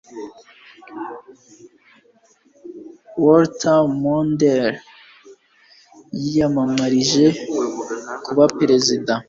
Walter Mondale yiyamamarije kuba Perezida